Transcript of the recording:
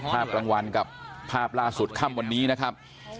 กลางวันกับภาพล่าสุดค่ำวันนี้นะครับ